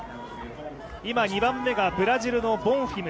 今、２番目がブラジルのボンフィム。